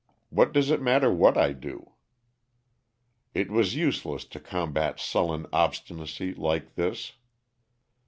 What does it matter what I do?" It was useless to combat sullen obstinacy like this.